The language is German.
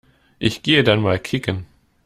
Ich gehe dann mal kicken.